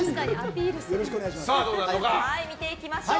見ていきましょう。